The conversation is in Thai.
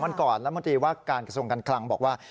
๒วันก่อนแล้วบางทีว่าการกระทรวงกันคลังบอกว่า